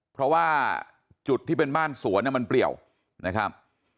เพราะว่าจุดที่เป็นบ้านสวนมันเปรียวนะครับ